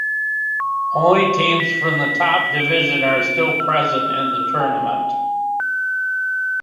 Only teams from the top division are still present in the tournament.